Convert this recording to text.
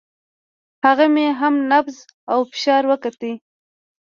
هغه مې هم نبض او فشار وکتل.